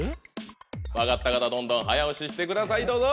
分かった方どんどん早押ししてくださいどうぞ。